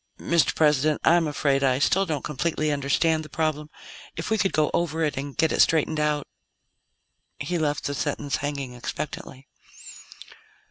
"Mr. President, I'm afraid I still don't completely understand the problem. If we could go over it, and get it straightened out " He left the sentence hanging expectantly.